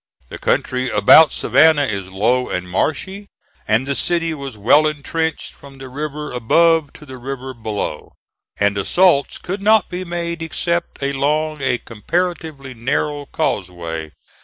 The country about Savannah is low and marshy, and the city was well intrenched from the river above to the river below; and assaults could not be made except along a comparatively narrow causeway.